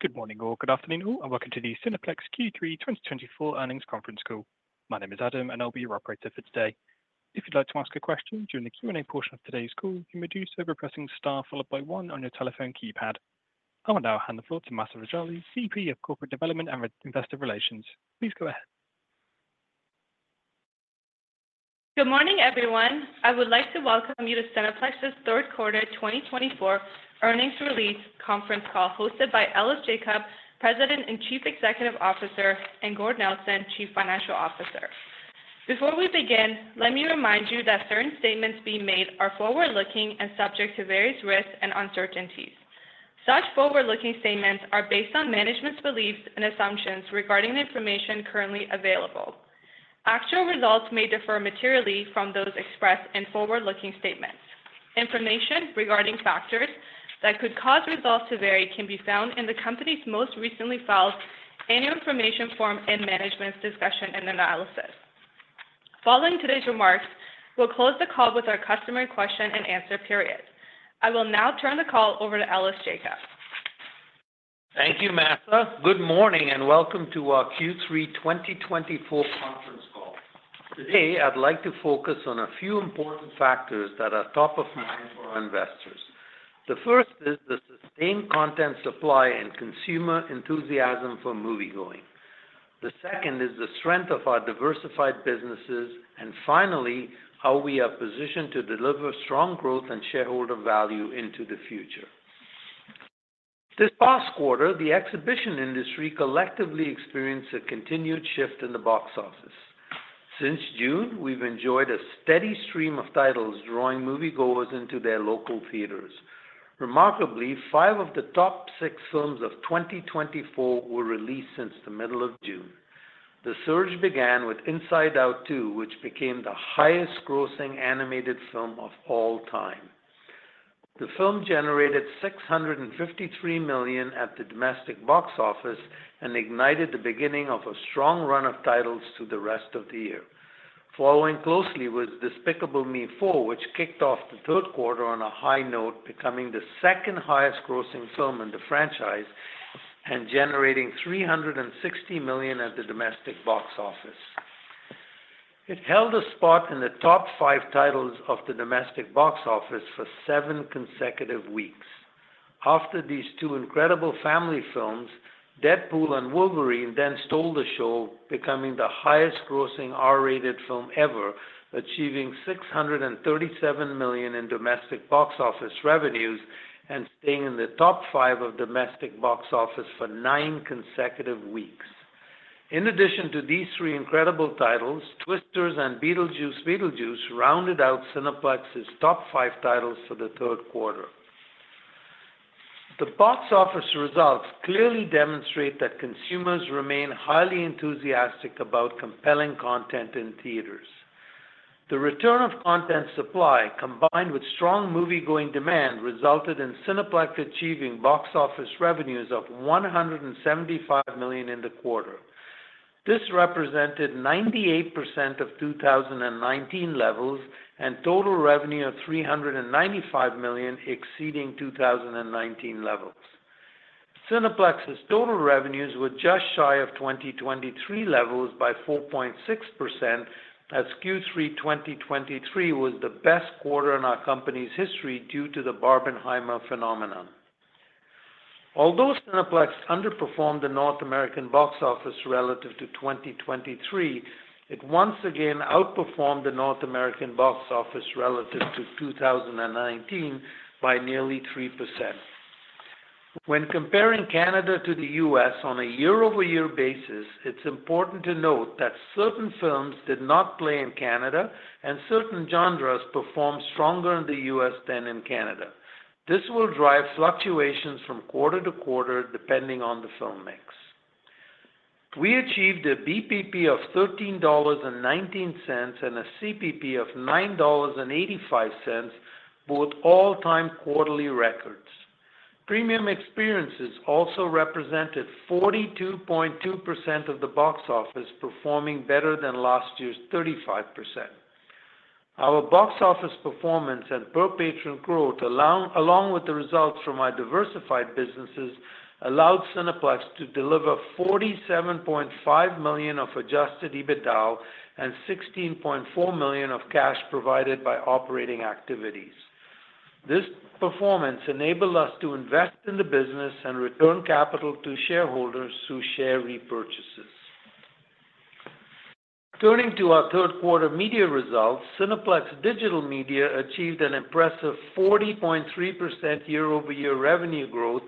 Good morning or good afternoon, and welcome to the Cineplex Q3 2024 earnings conference call. My name is Adam, and I'll be your operator for today. If you'd like to ask a question during the Q&A portion of today's call, you may do so by pressing star followed by one on your telephone keypad. I will now hand the floor to Mahsa Rejali, VP of Corporate Development and Investor Relations. Please go ahead. Good morning, everyone. I would like to welcome you to Cineplex's third quarter 2024 earnings release conference call hosted by Ellis Jacob, President and Chief Executive Officer, and Gord Nelson, Chief Financial Officer. Before we begin, let me remind you that certain statements being made are forward-looking and subject to various risks and uncertainties. Such forward-looking statements are based on management's beliefs and assumptions regarding the information currently available. Actual results may differ materially from those expressed in forward-looking statements. Information regarding factors that could cause results to vary can be found in the company's most recently filed annual information form in management's discussion and analysis. Following today's remarks, we'll close the call with our customer question and answer period. I will now turn the call over to Ellis Jacob. Thank you, Mahsa. Good morning and welcome to our Q3 2024 conference call. Today, I'd like to focus on a few important factors that are top of mind for our investors. The first is the sustained content supply and consumer enthusiasm for moviegoing. The second is the strength of our diversified businesses, and finally, how we are positioned to deliver strong growth and shareholder value into the future. This past quarter, the exhibition industry collectively experienced a continued shift in the box office. Since June, we've enjoyed a steady stream of titles drawing moviegoers into their local theaters. Remarkably, five of the top six films of 2024 were released since the middle of June. The surge began with Inside Out 2, which became the highest-grossing animated film of all time. The film generated 653 million at the domestic box office and ignited the beginning of a strong run of titles to the rest of the year. Following closely was Despicable Me 4, which kicked off the third quarter on a high note, becoming the second highest-grossing film in the franchise and generating 360 million at the domestic box office. It held a spot in the top five titles of the domestic box office for seven consecutive weeks. After these two incredible family films, Deadpool & Wolverine then stole the show, becoming the highest-grossing R-rated film ever, achieving 637 million in domestic box office revenues and staying in the top five of domestic box office for nine consecutive weeks. In addition to these three incredible titles, Twisters and Beetlejuice Beetlejuice rounded out Cineplex's top five titles for the third quarter. The box office results clearly demonstrate that consumers remain highly enthusiastic about compelling content in theaters. The return of content supply, combined with strong moviegoing demand, resulted in Cineplex achieving box office revenues of 175 million in the quarter. This represented 98% of 2019 levels and total revenue of 395 million exceeding 2019 levels. Cineplex's total revenues were just shy of 2023 levels by 4.6%, as Q3 2023 was the best quarter in our company's history due to the Barbenheimer phenomenon. Although Cineplex underperformed the North American box office relative to 2023, it once again outperformed the North American box office relative to 2019 by nearly 3%. When comparing Canada to the U.S. on a year-over-year basis, it's important to note that certain films did not play in Canada and certain genres performed stronger in the U.S. than in Canada. This will drive fluctuations from quarter to quarter depending on the film mix. We achieved a BPP of 13.19 dollars and a CPP of 9.85 dollars, both all-time quarterly records. Premium experiences also represented 42.2% of the box office, performing better than last year's 35%. Our box office performance and per-patron growth, along with the results from our diversified businesses, allowed Cineplex to deliver 47.5 million of adjusted EBITDA and 16.4 million of cash provided by operating activities. This performance enabled us to invest in the business and return capital to shareholders through share repurchases. Turning to our third quarter media results, Cineplex Digital Media achieved an impressive 40.3% year-over-year revenue growth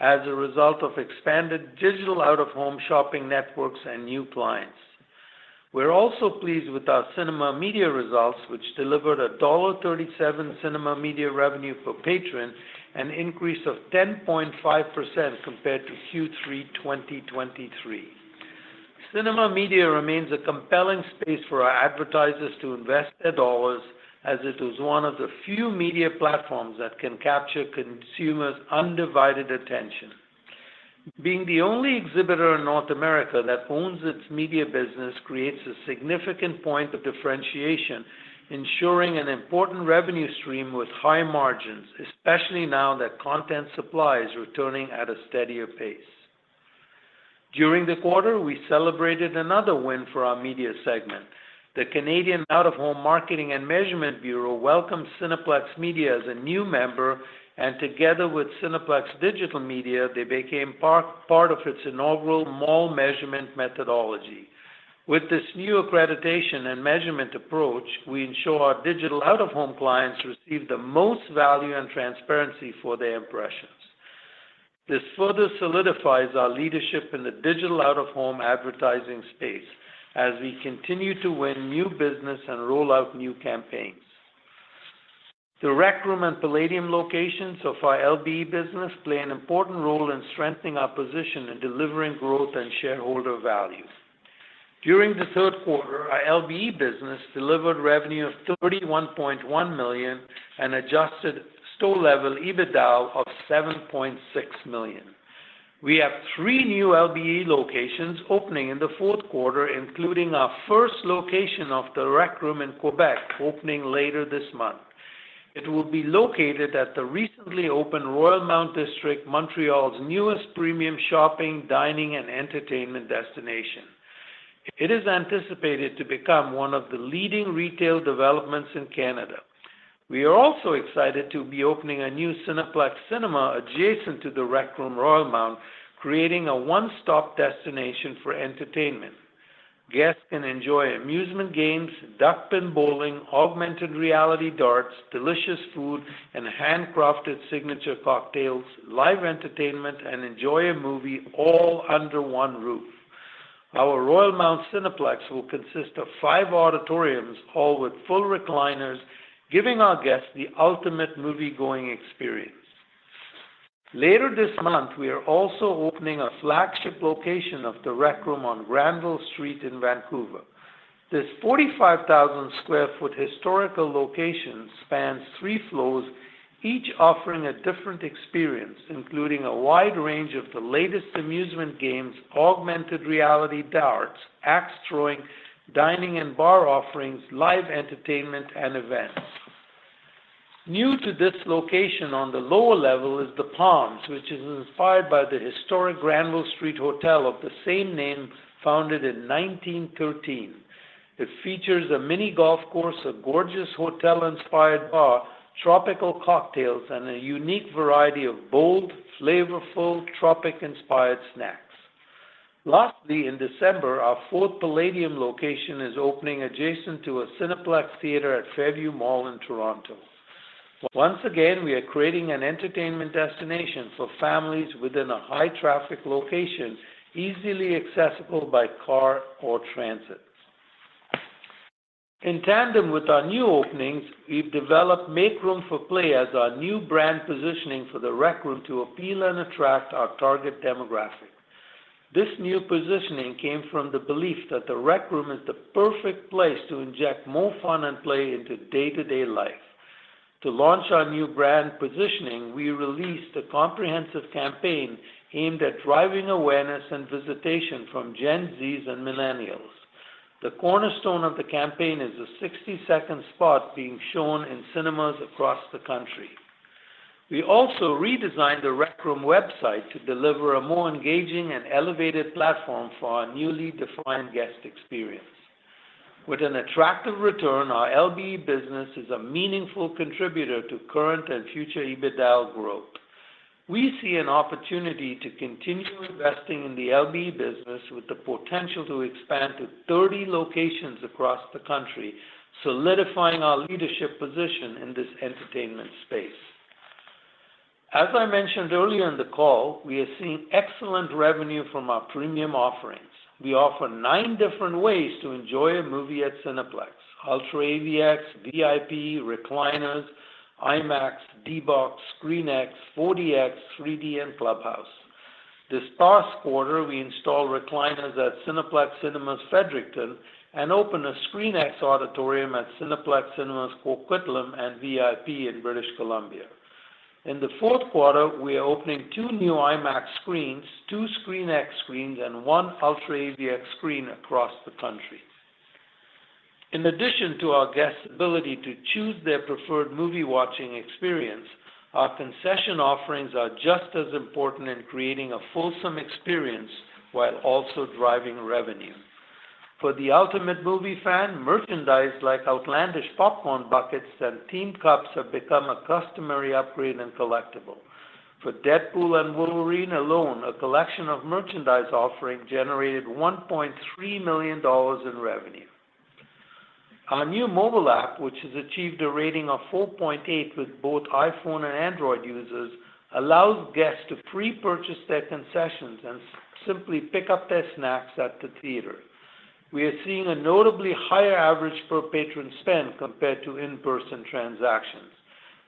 as a result of expanded digital out-of-home shopping networks and new clients. We're also pleased with our cinema media results, which delivered a dollar 1.37 cinema media revenue per patron, an increase of 10.5% compared to Q3 2023. Cinema media remains a compelling space for our advertisers to invest their dollars, as it is one of the few media platforms that can capture consumers' undivided attention. Being the only exhibitor in North America that owns its media business creates a significant point of differentiation, ensuring an important revenue stream with high margins, especially now that content supply is returning at a steadier pace. During the quarter, we celebrated another win for our media segment. The Canadian Out-of-Home Marketing and Measurement Bureau welcomed Cineplex Media as a new member, and together with Cineplex Digital Media, they became part of its inaugural mall measurement methodology. With this new accreditation and measurement approach, we ensure our digital out-of-home clients receive the most value and transparency for their impressions. This further solidifies our leadership in the digital out-of-home advertising space as we continue to win new business and roll out new campaigns. The Rec Room and Playdium locations of our LBE business play an important role in strengthening our position and delivering growth and shareholder value. During the third quarter, our LBE business delivered revenue of 31.1 million and adjusted store-level EBITDA of 7.6 million. We have three new LBE locations opening in the fourth quarter, including our first location of The Rec Room in Quebec, opening later this month. It will be located at the recently opened Royalmount district, Montreal's newest premium shopping, dining, and entertainment destination. It is anticipated to become one of the leading retail developments in Canada. We are also excited to be opening a new Cineplex cinema adjacent to The Rec Room Royalmount, creating a one-stop destination for entertainment. Guests can enjoy amusement games, duckpin bowling, augmented reality darts, delicious food, and handcrafted signature cocktails, live entertainment, and enjoy a movie all under one roof. Our Royalmount Cineplex will consist of five auditoriums, all with full recliners, giving our guests the ultimate moviegoing experience. Later this month, we are also opening a flagship location of The Rec Room on Granville Street in Vancouver. This 45,000 sq ft historic location spans three floors, each offering a different experience, including a wide range of the latest amusement games, augmented reality darts, axe throwing, dining and bar offerings, live entertainment, and events. New to this location on the lower level is The Palms, which is inspired by the historic Granville Street Hotel of the same name, founded in 1913. It features a mini golf course, a gorgeous hotel-inspired bar, tropical cocktails, and a unique variety of bold, flavorful tropical-inspired snacks. Lastly, in December, our fourth Playdium location is opening adjacent to a Cineplex theater at Fairview Mall in Toronto. Once again, we are creating an entertainment destination for families within a high-traffic location, easily accessible by car or transit. In tandem with our new openings, we've developed Make Room for Play as our new brand positioning for The Rec Room to appeal and attract our target demographic. This new positioning came from the belief that The Rec Room is the perfect place to inject more fun and play into day-to-day life. To launch our new brand positioning, we released a comprehensive campaign aimed at driving awareness and visitation from Gen Zs and millennials. The cornerstone of the campaign is a 60-second spot being shown in cinemas across the country. We also redesigned The Rec Room website to deliver a more engaging and elevated platform for our newly defined guest experience. With an attractive return, our LBE business is a meaningful contributor to current and future EBITDA growth. We see an opportunity to continue investing in the LBE business with the potential to expand to 30 locations across the country, solidifying our leadership position in this entertainment space. As I mentioned earlier in the call, we are seeing excellent revenue from our premium offerings. We offer nine different ways to enjoy a movie at Cineplex: UltraAVX, VIP, recliners, IMAX, D-BOX, ScreenX, 4DX, 3D, and Clubhouse. This past quarter, we installed recliners at Cineplex Cinemas Fredericton and opened a ScreenX auditorium at Cineplex Cinemas Coquitlam and VIP in British Columbia. In the fourth quarter, we are opening two new IMAX screens, two ScreenX screens, and one UltraAVX screen across the country. In addition to our guests' ability to choose their preferred movie-watching experience, our concession offerings are just as important in creating a fulsome experience while also driving revenue. For the ultimate movie fan, merchandise like outlandish popcorn buckets and team cups have become a customary upgrade and collectible. For Deadpool & Wolverine alone, a collection of merchandise offerings generated 1.3 million dollars in revenue. Our new mobile app, which has achieved a rating of 4.8 with both iPhone and Android users, allows guests to pre-purchase their concessions and simply pick up their snacks at the theater. We are seeing a notably higher average per-patron spend compared to in-person transactions.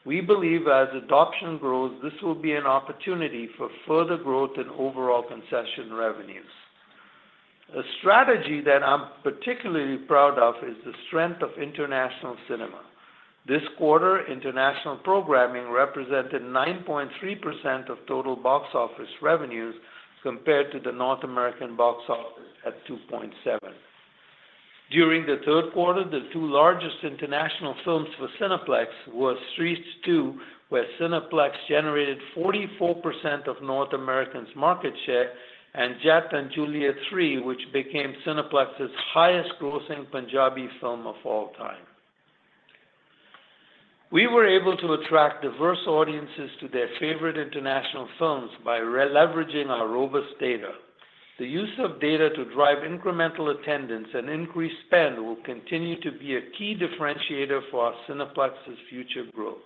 We believe as adoption grows, this will be an opportunity for further growth in overall concession revenues. A strategy that I'm particularly proud of is the strength of international cinema. This quarter, international programming represented 9.3% of total box office revenues compared to the North American box office at 2.7%. During the third quarter, the two largest international films for Cineplex were Stree 2, where Cineplex generated 44% of North America's market share, and Jatt & Juliet 3, which became Cineplex's highest-grossing Punjabi film of all time. We were able to attract diverse audiences to their favorite international films by leveraging our robust data. The use of data to drive incremental attendance and increased spend will continue to be a key differentiator for Cineplex's future growth.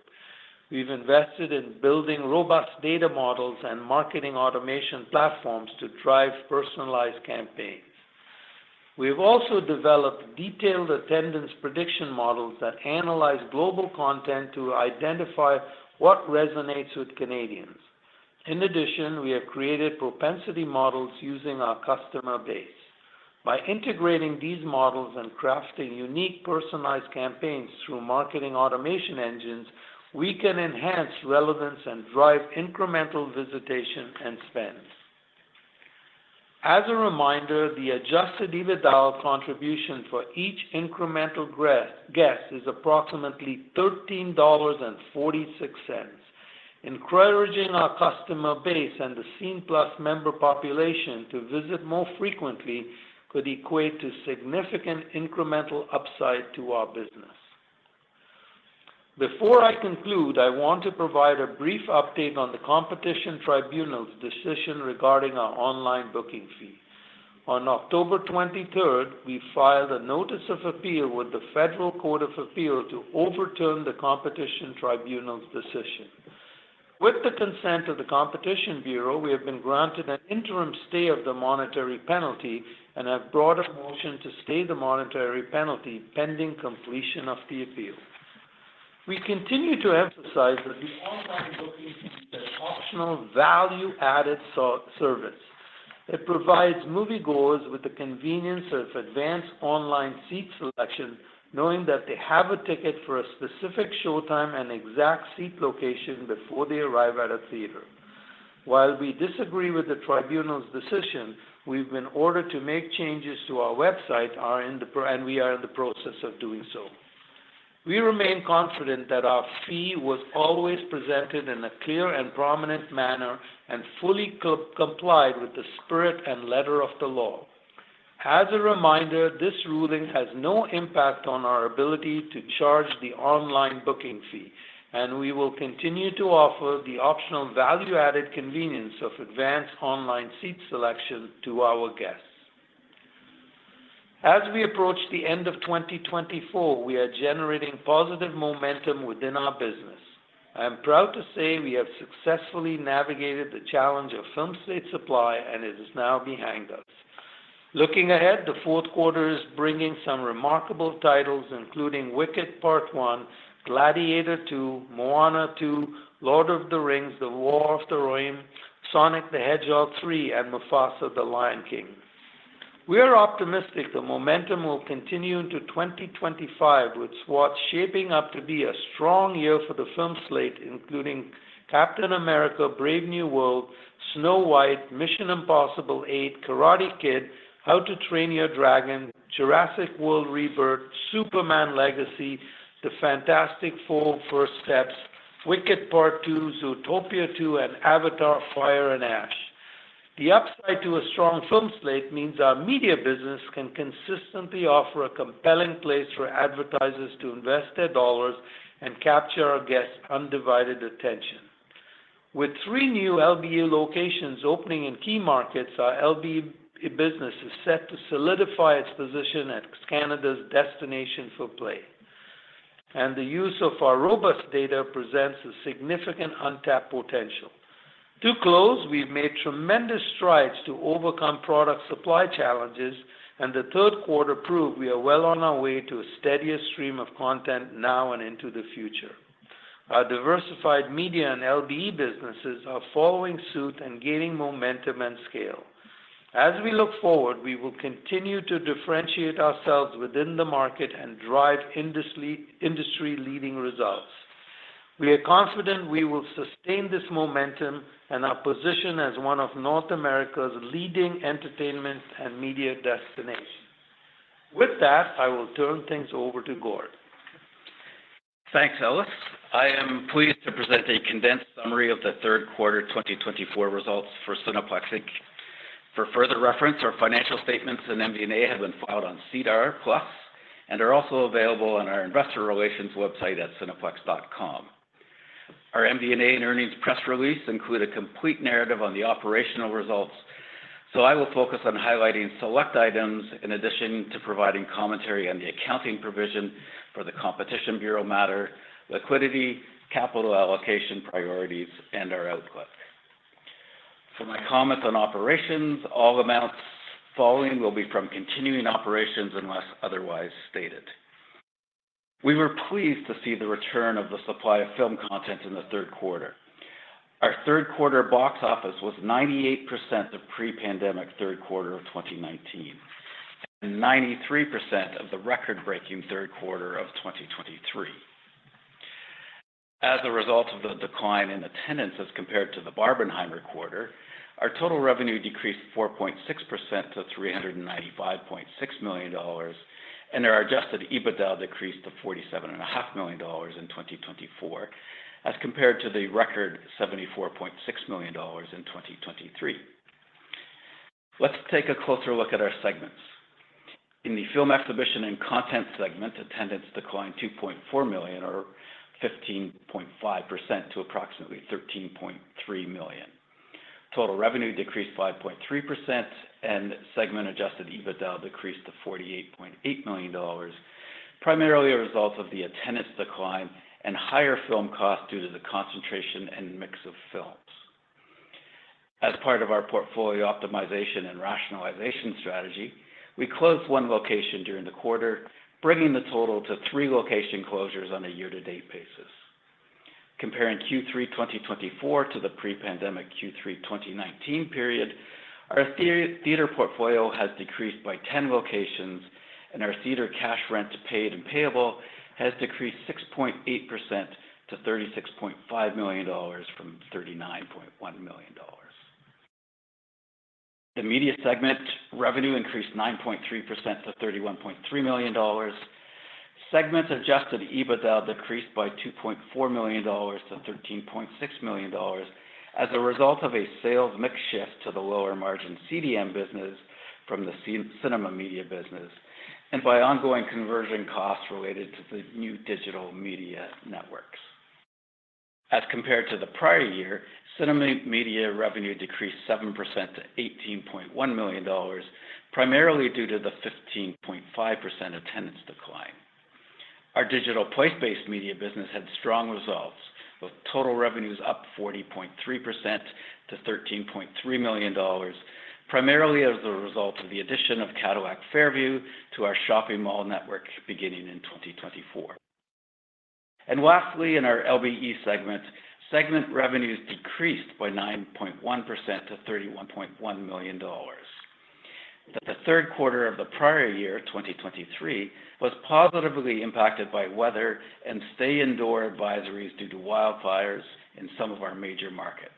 We've invested in building robust data models and marketing automation platforms to drive personalized campaigns. We've also developed detailed attendance prediction models that analyze global content to identify what resonates with Canadians. In addition, we have created propensity models using our customer base. By integrating these models and crafting unique personalized campaigns through marketing automation engines, we can enhance relevance and drive incremental visitation and spend. As a reminder, the Adjusted EBITDA contribution for each incremental guest is approximately 13.46 dollars. Encouraging our customer base and the Cineplex member population to visit more frequently could equate to significant incremental upside to our business. Before I conclude, I want to provide a brief update on the Competition Tribunal's decision regarding our online booking fee. On October 23, we filed a notice of appeal with the Federal Court of Appeal to overturn the Competition Tribunal's decision. With the consent of the Competition Bureau, we have been granted an interim stay of the monetary penalty and have brought a motion to stay the monetary penalty pending completion of the appeal. We continue to emphasize that the online booking fee is an optional value-added service. It provides moviegoers with the convenience of advanced online seat selection, knowing that they have a ticket for a specific showtime and exact seat location before they arrive at a theater. While we disagree with the tribunal's decision, we've been ordered to make changes to our website, and we are in the process of doing so. We remain confident that our fee was always presented in a clear and prominent manner and fully complied with the spirit and letter of the law. As a reminder, this ruling has no impact on our ability to charge the online booking fee, and we will continue to offer the optional value-added convenience of advanced online seat selection to our guests. As we approach the end of 2024, we are generating positive momentum within our business. I am proud to say we have successfully navigated the challenge of film slate supply, and it is now behind us. Looking ahead, the fourth quarter is bringing some remarkable titles, including Wicked Part One, Gladiator II, Moana 2, The Lord of the Rings: The War of the Rohirrim, Sonic the Hedgehog 3, and Mufasa: The Lion King. We are optimistic the momentum will continue into 2025, with what's shaping up to be a strong year for the film slate, including Captain America: Brave New World, Snow White, Mission: Impossible 8, Karate Kid, How to Train Your Dragon, Jurassic World Rebirth, Superman: Legacy, The Fantastic Four: First Steps, Wicked Part Two, Zootopia 2, and Avatar: Fire and Ash. The upside to a strong film slate means our media business can consistently offer a compelling place for advertisers to invest their dollars and capture our guests' undivided attention. With three new LBE locations opening in key markets, our LBE business is set to solidify its position as Canada's destination for play, and the use of our robust data presents a significant untapped potential. To close, we've made tremendous strides to overcome product supply challenges, and the third quarter proved we are well on our way to a steadier stream of content now and into the future. Our diversified media and LBE businesses are following suit and gaining momentum and scale. As we look forward, we will continue to differentiate ourselves within the market and drive industry-leading results. We are confident we will sustain this momentum and our position as one of North America's leading entertainment and media destinations. With that, I will turn things over to Gord. Thanks, Ellis. I am pleased to present a condensed summary of the third quarter 2024 results for Cineplex. For further reference, our financial statements and MD&A have been filed on SEDAR+ and are also available on our investor relations website at cineplex.com. Our MD&A and earnings press release include a complete narrative on the operational results, so I will focus on highlighting select items in addition to providing commentary on the accounting provision for the Competition Bureau matter, liquidity, capital allocation priorities, and our outlook. For my comments on operations, all amounts following will be from continuing operations unless otherwise stated. We were pleased to see the return of the supply of film content in the third quarter. Our third quarter box office was 98% of pre-pandemic third quarter of 2019 and 93% of the record-breaking third quarter of 2023. As a result of the decline in attendance as compared to the Barbenheimer quarter, our total revenue decreased 4.6% to 395.6 million dollars, and our adjusted EBITDA decreased to 47.5 million dollars in 2024 as compared to the record 74.6 million dollars in 2023. Let's take a closer look at our segments. In the film exhibition and content segment, attendance declined 2.4 million, or 15.5%, to approximately 13.3 million. Total revenue decreased 5.3%, and segment adjusted EBITDA decreased to 48.8 million dollars, primarily a result of the attendance decline and higher film costs due to the concentration and mix of films. As part of our portfolio optimization and rationalization strategy, we closed one location during the quarter, bringing the total to three location closures on a year-to-date basis. Comparing Q3 2024 to the pre-pandemic Q3 2019 period, our theater portfolio has decreased by 10 locations, and our theater cash rent to paid and payable has decreased 6.8% to 36.5 million dollars from 39.1 million dollars. The media segment revenue increased 9.3% to 31.3 million dollars. Segment-adjusted EBITDA decreased by 2.4 million dollars to 13.6 million dollars as a result of a sales mix shift to the lower-margin CDM business from the cinema media business and by ongoing conversion costs related to the new digital media networks. As compared to the prior year, cinema media revenue decreased 7% to 18.1 million dollars, primarily due to the 15.5% attendance decline. Our digital place-based media business had strong results, with total revenues up 40.3% to CAD 13.3 million, primarily as a result of the addition of Cadillac Fairview to our shopping mall network beginning in 2024. Lastly, in our LBE segment, segment revenues decreased by 9.1% to 31.1 million dollars. The third quarter of the prior year, 2023, was positively impacted by weather and stay-indoor advisories due to wildfires in some of our major markets.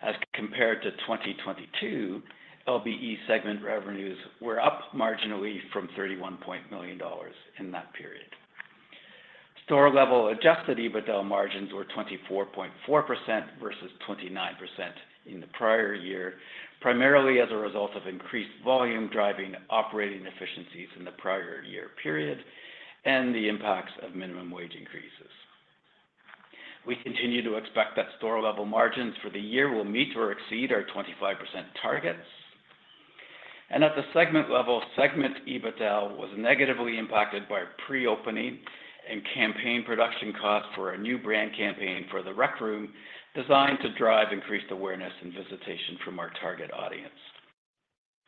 As compared to 2022, LBE segment revenues were up marginally from 31.1 million dollars in that period. Store-level adjusted EBITDA margins were 24.4% versus 29% in the prior year, primarily as a result of increased volume driving operating efficiencies in the prior year period and the impacts of minimum wage increases. We continue to expect that store-level margins for the year will meet or exceed our 25% targets. At the segment level, segment EBITDA was negatively impacted by pre-opening and campaign production costs for a new brand campaign for The Rec Room designed to drive increased awareness and visitation from our target audience.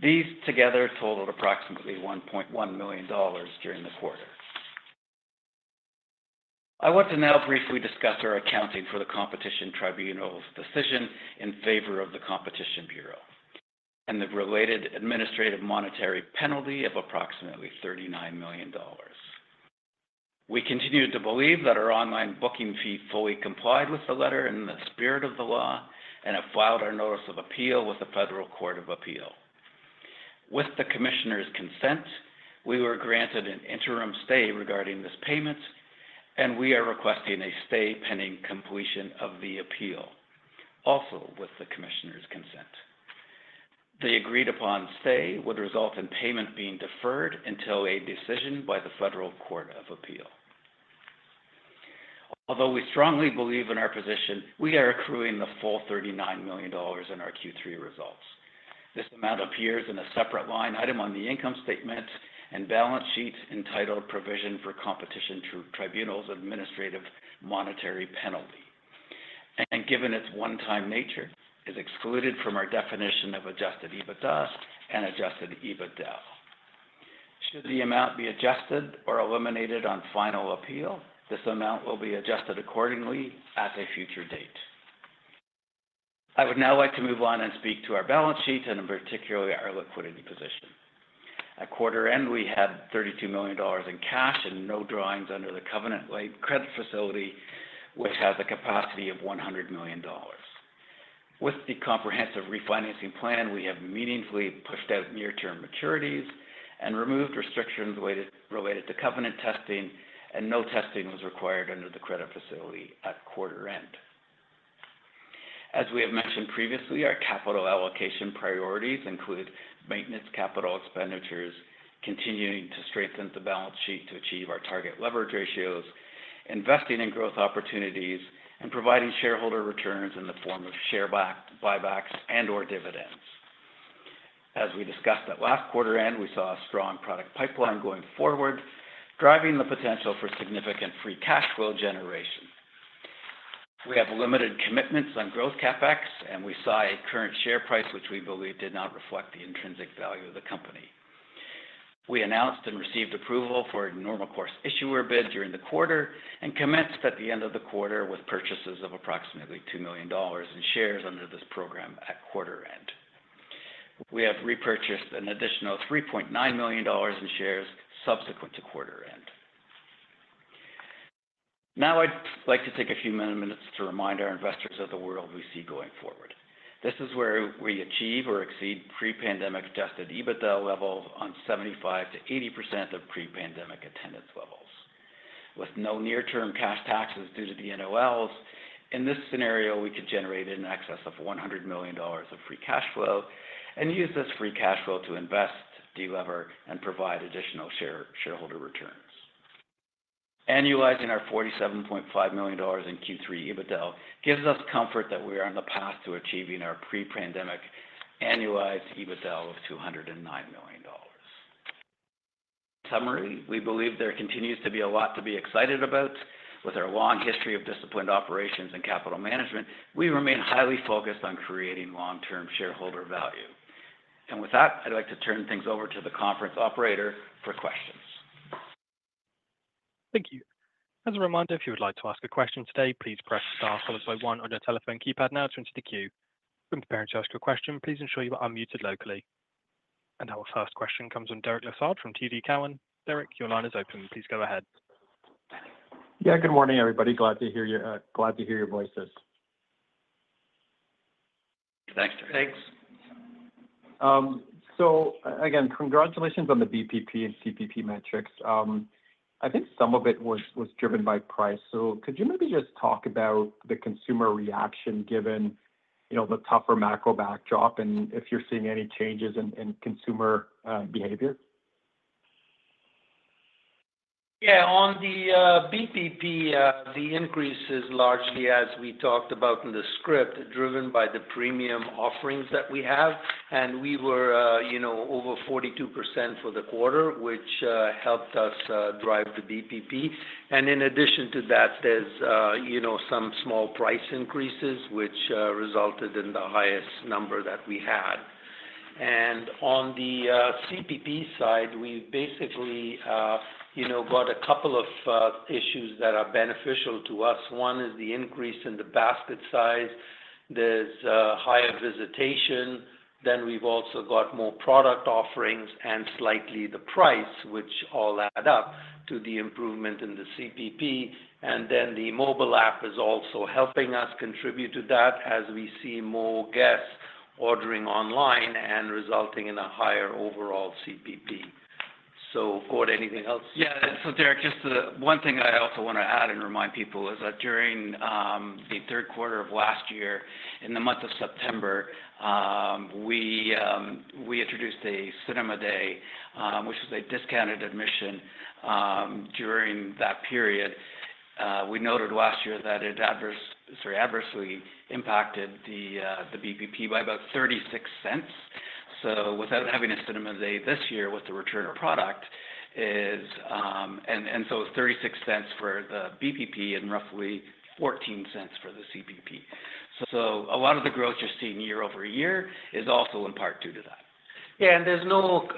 These together totaled approximately 1.1 million dollars during the quarter. I want to now briefly discuss our accounting for the Competition Tribunal's decision in favor of the Competition Bureau and the related administrative monetary penalty of approximately 39 million dollars. We continue to believe that our online booking fee fully complied with the letter and the spirit of the law and have filed our notice of appeal with the Federal Court of Appeal. With the commissioner's consent, we were granted an interim stay regarding this payment, and we are requesting a stay pending completion of the appeal, also with the commissioner's consent. The agreed-upon stay would result in payment being deferred until a decision by the Federal Court of Appeal. Although we strongly believe in our position, we are accruing the full 39 million dollars in our Q3 results. This amount appears in a separate line item on the income statement and balance sheet entitled Provision for Competition Tribunal's Administrative Monetary Penalty, and given its one-time nature, it is excluded from our definition of adjusted EBITDA. Should the amount be adjusted or eliminated on final appeal, this amount will be adjusted accordingly at a future date. I would now like to move on and speak to our balance sheet and particularly our liquidity position. At quarter end, we had 32 million dollars in cash and no drawings under the covenant-lite credit facility, which has a capacity of 100 million dollars. With the comprehensive refinancing plan, we have meaningfully pushed out near-term maturities and removed restrictions related to covenant testing, and no testing was required under the credit facility at quarter end. As we have mentioned previously, our capital allocation priorities include maintenance capital expenditures, continuing to strengthen the balance sheet to achieve our target leverage ratios, investing in growth opportunities, and providing shareholder returns in the form of share buybacks and/or dividends. As we discussed at last quarter end, we saw a strong product pipeline going forward, driving the potential for significant free cash flow generation. We have limited commitments on growth CapEx, and we saw a current share price which we believe did not reflect the intrinsic value of the company. We announced and received approval for a normal course issuer bid during the quarter and commenced at the end of the quarter with purchases of approximately 2 million dollars in shares under this program at quarter end. We have repurchased an additional 3.9 million dollars in shares subsequent to quarter end. Now, I'd like to take a few minutes to remind our investors of the world we see going forward. This is where we achieve or exceed pre-pandemic adjusted EBITDA levels on 75%-80% of pre-pandemic attendance levels. With no near-term cash taxes due to the NOLs, in this scenario, we could generate in excess of 100 million dollars of free cash flow and use this free cash flow to invest, deliver, and provide additional shareholder returns. Annualizing our 47.5 million dollars in Q3 EBITDA gives us comfort that we are on the path to achieving our pre-pandemic annualized EBITDA of 209 million dollars. In summary, we believe there continues to be a lot to be excited about. With our long history of disciplined operations and capital management, we remain highly focused on creating long-term shareholder value. And with that, I'd like to turn things over to the conference operator for questions. Thank you. As a reminder, if you would like to ask a question today, please press star one on your telephone keypad now to enter the queue. When preparing to ask a question, please ensure you are unmuted locally. And our first question comes from Derek Lessard from TD Cowen. Derek, your line is open. Please go ahead. Yeah, good morning, everybody. Glad to hear your voices. Thanks, Derek. Thanks. So again, congratulations on the BPP and CPP metrics. I think some of it was driven by price. So could you maybe just talk about the consumer reaction given the tougher macro backdrop and if you're seeing any changes in consumer behavior? Yeah, on the BPP, the increase is largely, as we talked about in the script, driven by the premium offerings that we have. And we were over 42% for the quarter, which helped us drive the BPP. And in addition to that, there's some small price increases, which resulted in the highest number that we had. And on the CPP side, we've basically got a couple of issues that are beneficial to us. One is the increase in the basket size. There's higher visitation. Then we've also got more product offerings and slightly the price, which all add up to the improvement in the CPP. And then the mobile app is also helping us contribute to that as we see more guests ordering online and resulting in a higher overall CPP. So, Gord, anything else? Yeah. So Derek, just one thing I also want to add and remind people is that during the third quarter of last year, in the month of September, we introduced a cinema day, which was a discounted admission. During that period, we noted last year that it adversely impacted the BPP by about 0.36. So without having a cinema day this year with the return of product, and so it's 0.36 for the BPP and roughly 0.14 for the CPP. So a lot of the growth you're seeing year-over-year is also in part due to that. Yeah, and there's no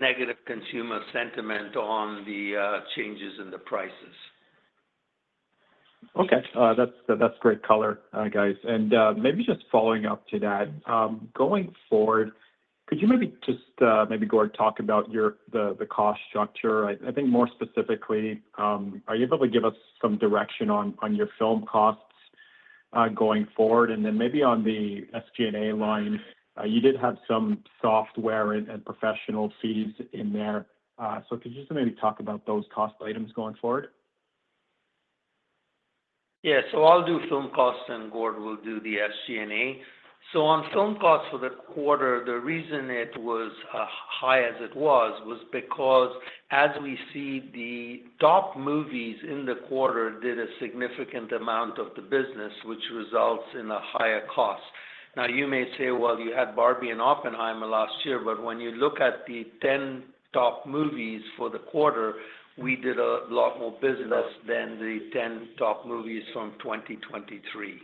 negative consumer sentiment on the changes in the prices. Okay. That's great color, guys. And maybe just following up to that, going forward, could you maybe just maybe, Gord, talk about the cost structure? I think more specifically, are you able to give us some direction on your film costs going forward? And then maybe on the SG&A line, you did have some software and professional fees in there. So could you just maybe talk about those cost items going forward? Yeah. I'll do film costs, and Gord will do the SG&A. On film costs for the quarter, the reason it was high as it was was because as we see the top movies in the quarter did a significant amount of the business, which results in a higher cost. Now, you may say, "Well, you had Barbie and Oppenheimer last year," but when you look at the 10 top movies for the quarter, we did a lot more business than the 10 top movies from 2023.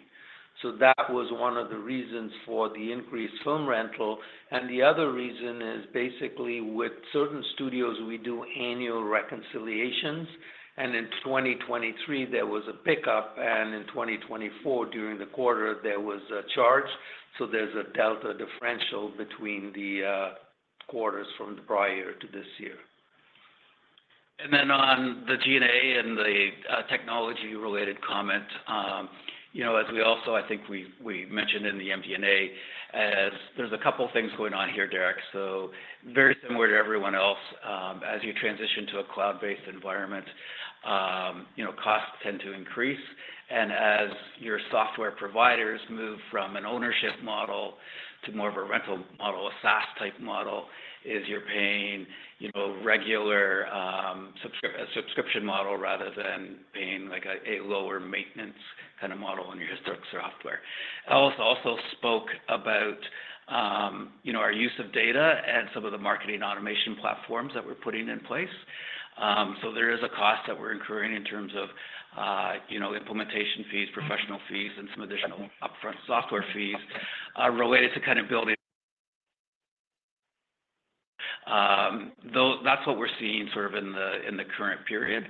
That was one of the reasons for the increased film rental. The other reason is basically with certain studios, we do annual reconciliations. In 2023, there was a pickup. In 2024, during the quarter, there was a charge. There's a delta differential between the quarters from the prior to this year. And then on the G&A and the technology-related comment, as we also, I think we mentioned in the MD&A, there's a couple of things going on here, Derek. So very similar to everyone else, as you transition to a cloud-based environment, costs tend to increase. And as your software providers move from an ownership model to more of a rental model, a SaaS-type model, you're paying a regular subscription model rather than paying a lower maintenance kind of model on your historic software. I also spoke about our use of data and some of the marketing automation platforms that we're putting in place. So there is a cost that we're incurring in terms of implementation fees, professional fees, and some additional upfront software fees related to kind of building that. That's what we're seeing sort of in the current period.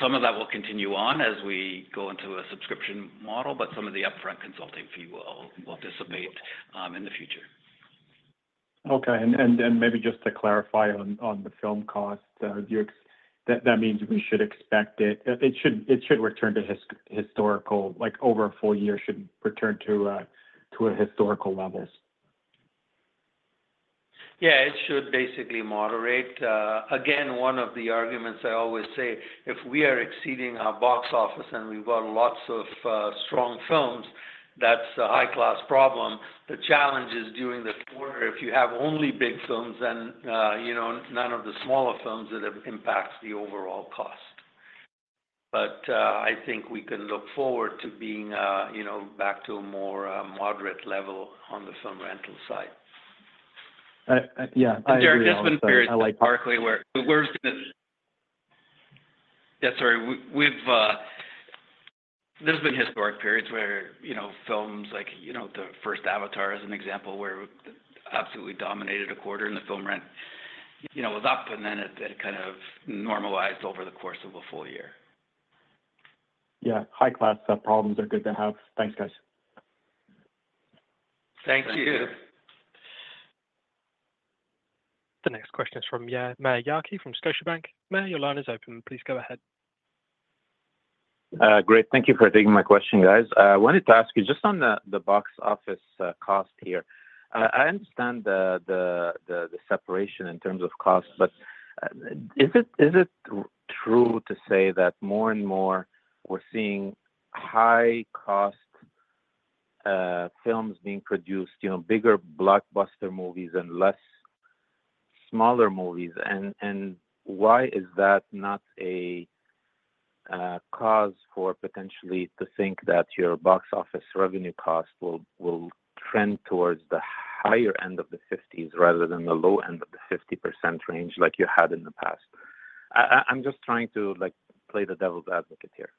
Some of that will continue on as we go into a subscription model, but some of the upfront consulting fee will dissipate in the future. Okay. And then maybe just to clarify on the film cost, that means we should expect it. It should return to historical, like over a full year should return to historical levels. Yeah, it should basically moderate. Again, one of the arguments I always say, if we are exceeding our box office and we've got lots of strong films, that's a high-class problem. The challenge is during the quarter, if you have only big films and none of the smaller films, it impacts the overall cost. But I think we can look forward to being back to a more moderate level on the film rental side. Yeah. I think. There's been periods where yeah, sorry. There's been historic periods where films like the first Avatar, as an example, where it absolutely dominated a quarter and the film rent was up, and then it kind of normalized over the course of a full year. Yeah. High-class problems are good to have. Thanks, guys. Thank you. The next question is from Maher Yaghi from Scotiabank. Maher Yaghi, your line is open. Please go ahead. Great. Thank you for taking my question, guys. I wanted to ask you just on the box office cost here. I understand the separation in terms of cost, but is it true to say that more and more we're seeing high-cost films being produced, bigger blockbuster movies and less smaller movies? And why is that not a cause for potentially to think that your box office revenue cost will trend towards the higher end of the 50s rather than the low end of the 50% range like you had in the past? I'm just trying to play the devil's advocate here.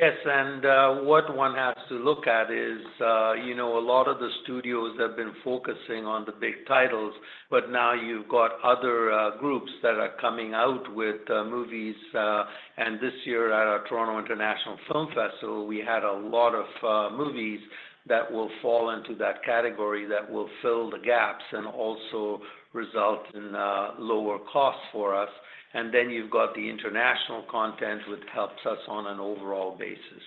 Yes. And what one has to look at is a lot of the studios have been focusing on the big titles, but now you've got other groups that are coming out with movies. And this year at our Toronto International Film Festival, we had a lot of movies that will fall into that category that will fill the gaps and also result in lower costs for us. And then you've got the international content, which helps us on an overall basis.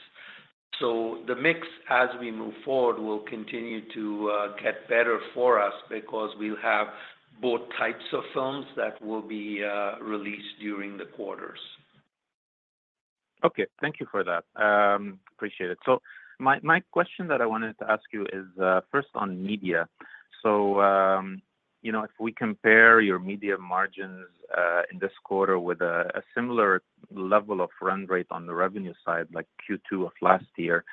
So the mix, as we move forward, will continue to get better for us because we'll have both types of films that will be released during the quarters. Okay. Thank you for that. Appreciate it. So my question that I wanted to ask you is first on media. So if we compare your media margins in this quarter with a similar level of run rate on the revenue side, like Q2 of last year,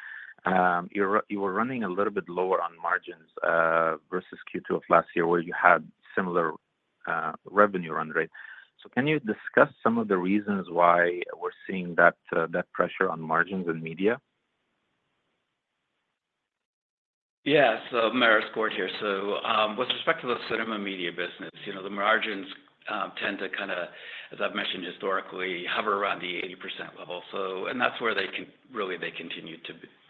you were running a little bit lower on margins versus Q2 of last year where you had similar revenue run rate. So can you discuss some of the reasons why we're seeing that pressure on margins and media? Yeah. So Maher's question here. So with respect to the cinema media business, the margins tend to kind of, as I've mentioned historically, hover around the 80% level. And that's where they can really continue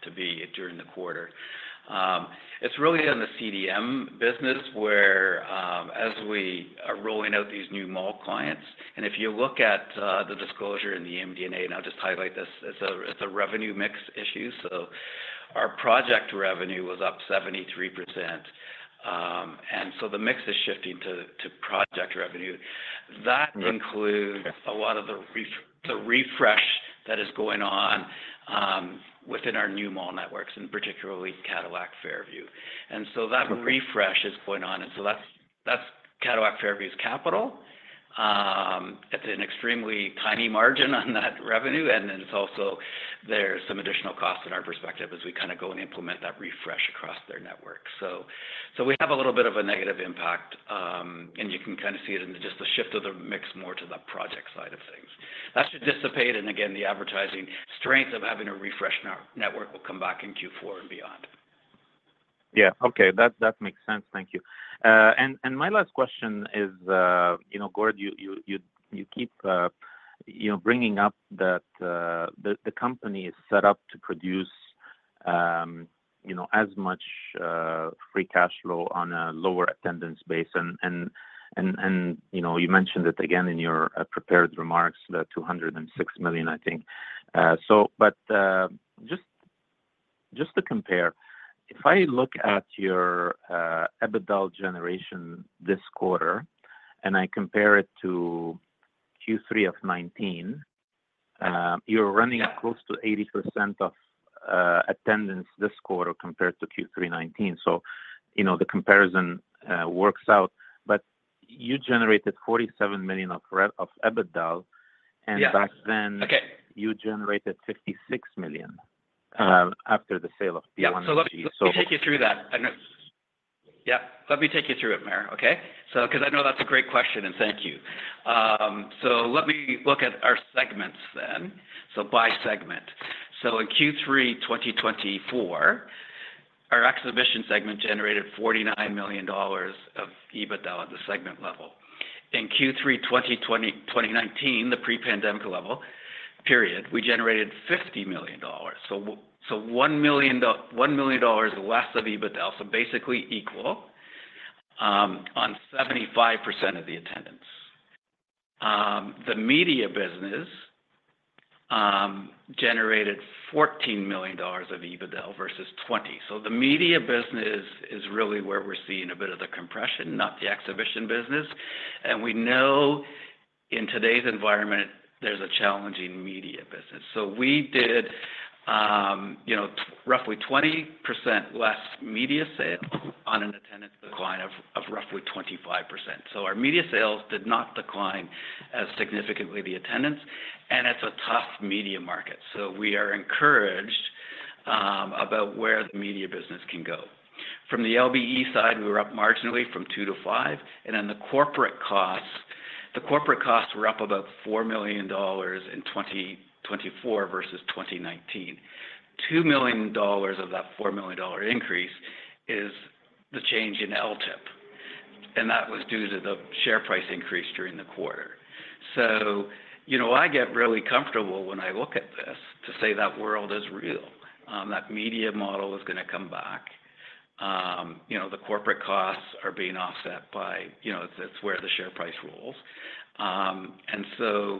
to be during the quarter. It's really in the CDM business where, as we are rolling out these new mall clients. And if you look at the disclosure in the MD&A, and I'll just highlight this, it's a revenue mix issue. So our project revenue was up 73%. And so the mix is shifting to project revenue. That includes a lot of the refresh that is going on within our new mall networks, and particularly Cadillac Fairview. And so that refresh is going on. And so that's Cadillac Fairview's capital. It's an extremely tiny margin on that revenue. And then it's also there's some additional costs in our perspective as we kind of go and implement that refresh across their network. So we have a little bit of a negative impact, and you can kind of see it in just the shift of the mix more to the project side of things. That should dissipate. And again, the advertising strength of having a refresh network will come back in Q4 and beyond. Yeah. Okay. That makes sense. Thank you. And my last question is, Gord, you keep bringing up that the company is set up to produce as much free cash flow on a lower attendance base. And you mentioned it again in your prepared remarks, the 206 million, I think. But just to compare, if I look at your EBITDA generation this quarter and I compare it to Q3 of 2019, you're running close to 80% of attendance this quarter compared to Q3 2019. So the comparison works out. But you generated 47 million of EBITDA, and back then, you generated 56 million after the sale of P1 and P2. Yeah. So let me take you through that. Yeah. Let me take you through it, Maher, okay? Because I know that's a great question, and thank you. So let me look at our segments then. So by segment. So in Q3 2024, our exhibition segment generated 49 million dollars of EBITDA at the segment level. In Q3 2019, the pre-pandemic level, period, we generated 50 million dollars. So 1 million dollars less of EBITDA, so basically equal on 75% of the attendance. The media business generated 14 million dollars of EBITDA versus 20 million. So the media business is really where we're seeing a bit of the compression, not the exhibition business. And we know in today's environment, there's a challenging media business. So we did roughly 20% less media sales on an attendance decline of roughly 25%. So our media sales did not decline as significantly as the attendance. And it's a tough media market, so we are encouraged about where the media business can go. From the LBE side, we were up marginally from 2 to 5. And then the corporate costs were up about 4 million dollars in 2024 versus 2019. 2 million dollars of that 4 million dollar increase is the change in LTIP. And that was due to the share price increase during the quarter. So I get really comfortable when I look at this to say that world is real, that media model is going to come back. The corporate costs are being offset by. It's where the share price rolls. And so,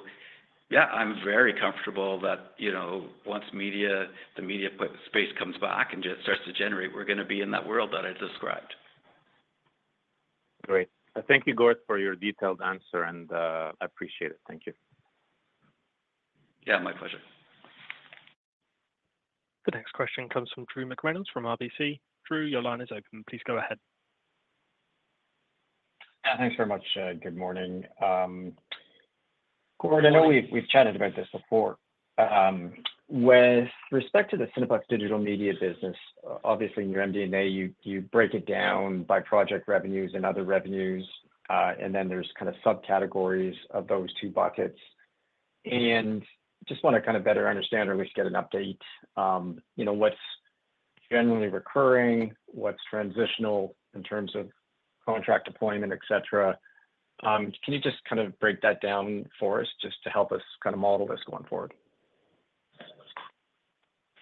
yeah, I'm very comfortable that once the media space comes back and just starts to generate, we're going to be in that world that I described. Great. Thank you, Gord, for your detailed answer, and I appreciate it. Thank you. Yeah. My pleasure. The next question comes from Drew McReynolds from RBC. Drew, your line is open. Please go ahead. Yeah. Thanks very much. Good morning. Gord, I know we've chatted about this before. With respect to the Cineplex Digital Media business, obviously, in your MD&A, you break it down by project revenues and other revenues. And then there's kind of subcategories of those two buckets. And just want to kind of better understand, or at least get an update, what's generally recurring, what's transitional in terms of contract deployment, etc. Can you just kind of break that down for us just to help us kind of model this going forward?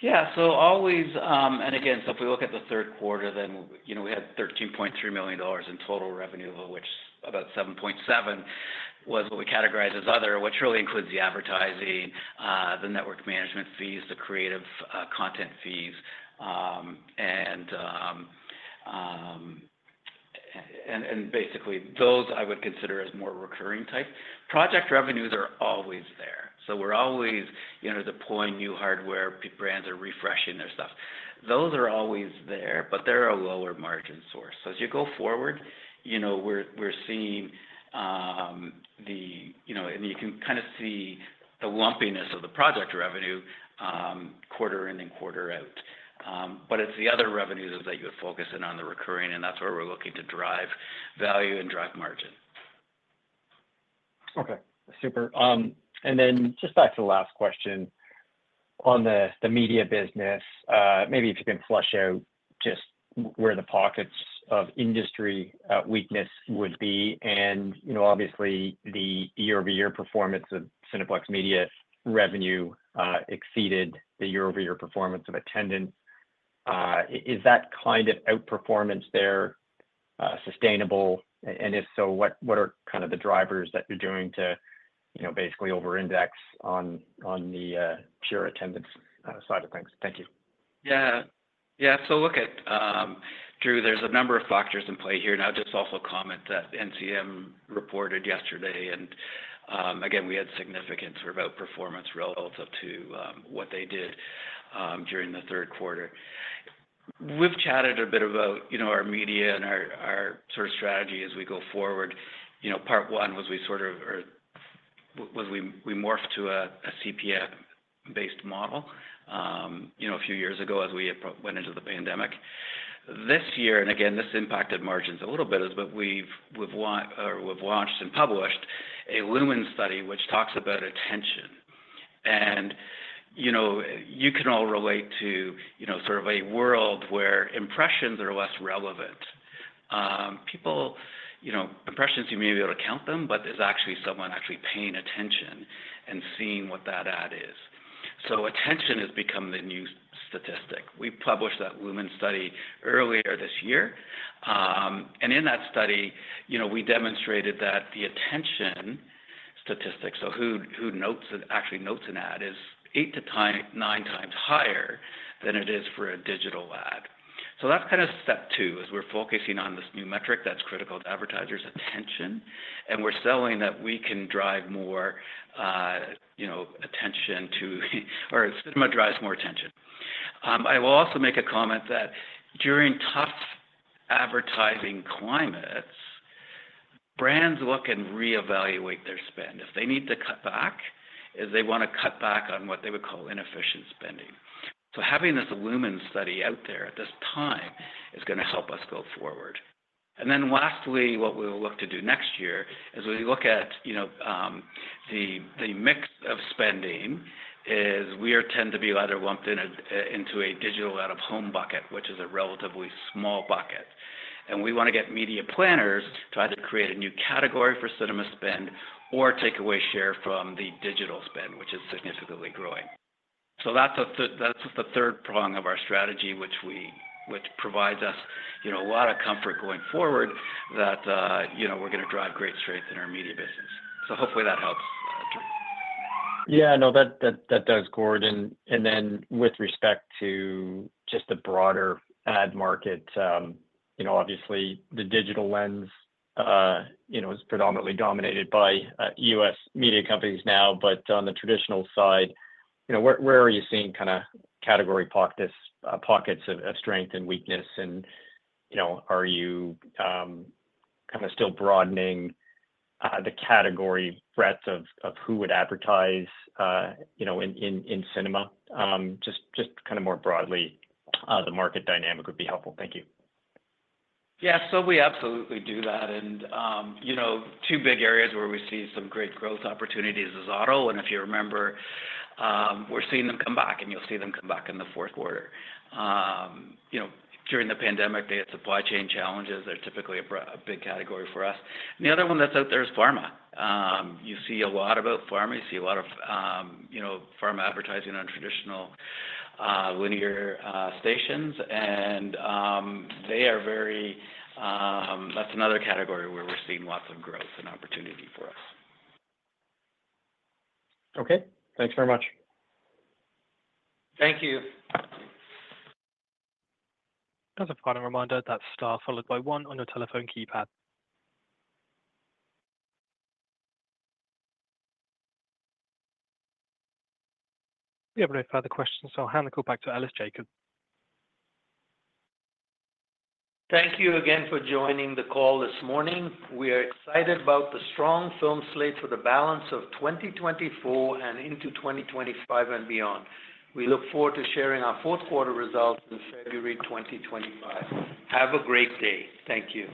Yeah. So always, and again, so if we look at the third quarter, then we had 13.3 million dollars in total revenue, of which about 7.7 million was what we categorize as other, which really includes the advertising, the network management fees, the creative content fees. And basically, those I would consider as more recurring type. Project revenues are always there. So we're always deploying new hardware, brands are refreshing their stuff. Those are always there, but they're a lower margin source. So as you go forward, we're seeing the and you can kind of see the lumpiness of the project revenue quarter in and quarter out. But it's the other revenues that you would focus in on, the recurring, and that's where we're looking to drive value and drive margin. Okay. Super. And then just back to the last question on the media business, maybe if you can flesh out just where the pockets of industry weakness would be. And obviously, the year-over-year performance of Cineplex Media revenue exceeded the year-over-year performance of attendance. Is that kind of outperformance there sustainable? And if so, what are kind of the drivers that you're doing to basically over-index on the pure attendance side of things? Thank you. Yeah. Yeah. So look, Drew, there's a number of factors in play here. And I'll just also comment that NCM reported yesterday. And again, we had significant sort of outperformance relative to what they did during the third quarter. We've chatted a bit about our media and our sort of strategy as we go forward. Part one was we sort of morphed to a CPM-based model a few years ago as we went into the pandemic. This year, and again, this impacted margins a little bit, is that we've launched and published a Lumen Study which talks about attention. And you can all relate to sort of a world where impressions are less relevant. Impressions, you may be able to count them, but there's actually someone actually paying attention and seeing what that ad is. So attention has become the new statistic. We published that Lumen Study earlier this year. And in that study, we demonstrated that the attention statistic, so who actually notes an ad, is 8-9x higher than it is for a digital ad. So that's kind of step two as we're focusing on this new metric that's critical to advertisers' attention. We're selling that we can drive more attention to our cinema drives more attention. I will also make a comment that during tough advertising climates, brands look and reevaluate their spend. If they need to cut back, they want to cut back on what they would call inefficient spending. So having this Lumen Study out there at this time is going to help us go forward. Then lastly, what we will look to do next year is we look at the mix of spending is we tend to be either lumped into a digital out-of-home bucket, which is a relatively small bucket. We want to get media planners to either create a new category for cinema spend or take away share from the digital spend, which is significantly growing. So that's the third prong of our strategy, which provides us a lot of comfort going forward that we're going to drive great strength in our media business. So hopefully that helps, Drew. Yeah. No, that does, Gord. And then with respect to just the broader ad market, obviously, the digital lens is predominantly dominated by U.S. media companies now. But on the traditional side, where are you seeing kind of category pockets of strength and weakness? And are you kind of still broadening the category breadth of who would advertise in cinema? Just kind of more broadly, the market dynamic would be helpful. Thank you. Yeah. So we absolutely do that. And two big areas where we see some great growth opportunities is auto. And if you remember, we're seeing them come back, and you'll see them come back in the fourth quarter. During the pandemic, they had supply chain challenges. They're typically a big category for us, and the other one that's out there is pharma. You see a lot about pharmacy. You see a lot of pharma advertising on traditional linear stations, and they are very, that's another category where we're seeing lots of growth and opportunity for us. Okay. Thanks very much. Thank you. As a final reminder, that's star followed by one on your telephone keypad. We have no further questions, so I'll hand the call back to Ellis Jacob. Thank you again for joining the call this morning. We are excited about the strong film slate for the balance of 2024 and into 2025 and beyond. We look forward to sharing our fourth quarter results in February 2025. Have a great day. Thank you.